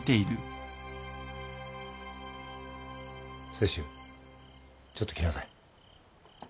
清舟ちょっと来なさい。